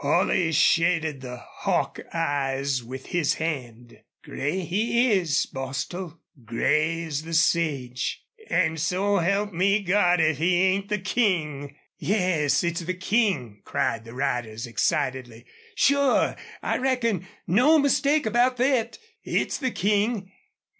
Holley shaded the hawk eyes with his hand. "Gray he is Bostil gray as the sage.... AN' SO HELP ME GOD IF HE AIN'T THE KING!" "Yes, it's the King!" cried the riders, excitedly. "Sure! I reckon! No mistake about thet! It's the King!"